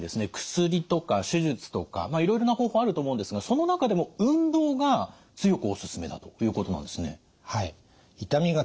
薬とか手術とかいろいろな方法あると思うんですがその中でも運動が強くおすすめだということなんですね。